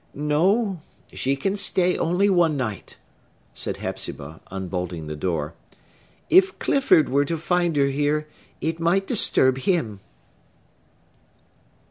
"No—she can stay only one night," said Hepzibah, unbolting the door. "If Clifford were to find her here, it might disturb him!"